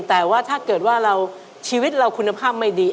แต่ว่าถ้าเกิดว่าเราชีวิตเราคุณภาพไม่ดี